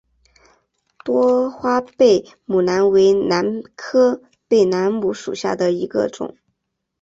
多花贝母兰为兰科贝母兰属下的一个种。